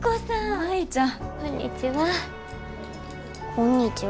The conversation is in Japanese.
こんにちは。